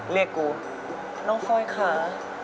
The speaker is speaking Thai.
เรียกกูน้องฟอยค่ะ